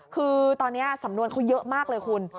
คือตอนนี้สำนวนเขาเยอะมากเลยคุณ